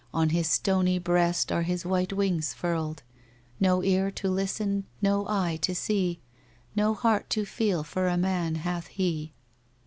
On his stony breast are his white wings furled. No ear to listen, no eye to see, No heart to feel for a man hath he."